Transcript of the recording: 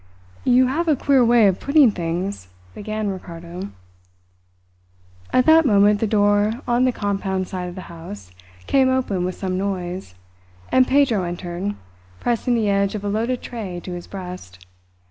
"You have a queer way of putting things," began Ricardo. At that moment the door on the compound side of the house came open with some noise, and Pedro entered, pressing the edge of a loaded tray to his breast.